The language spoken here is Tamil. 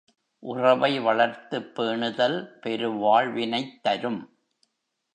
உறவை வளர்த்துப் பேணுதல் பெருவாழ் வினைத் தரும்.